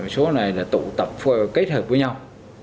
số này là tụ tập kết hợp với nhau